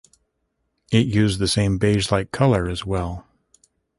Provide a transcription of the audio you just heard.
It used the same beige-like color as well.